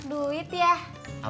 emang belum rejeki kita punya anak